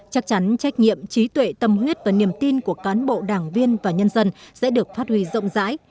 chắc chắn trách nhiệm trí tuệ tâm huyết và niềm tin của cán bộ đảng viên và nhân dân sẽ được phát huy rộng rãi